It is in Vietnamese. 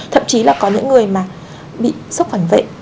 thậm chí là có những người mà bị sốc phản vệ